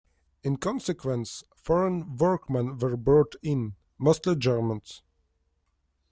In consequence, foreign workmen were brought in - mostly Germans.